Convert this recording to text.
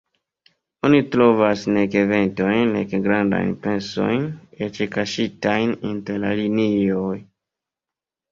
Oni trovas nek eventojn, nek grandajn pensojn, eĉ kaŝitajn inter la linioj.